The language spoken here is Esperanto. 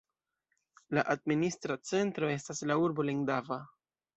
La administra centro estas la urbo Lendava.